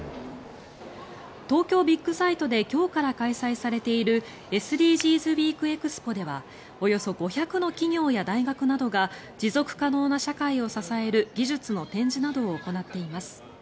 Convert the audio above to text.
東京ビッグサイトで今日から開催されているＳＤＧｓＷｅｅｋＥＸＰＯではおよそ５００の企業や大学などが持続可能な社会を支える技術の展示などを行っています。